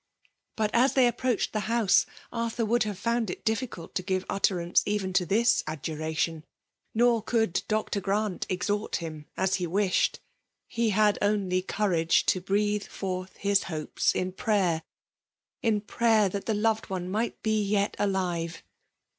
*' But, as they approached the house, Arthiur would have found it difficult to give utteranoe even to this adjuration ; nor could Dr. Gniit exhort him as he wished :— he had only courage to breathe forth his hopes in prayer, — in prayer that the loved one night be yet alive.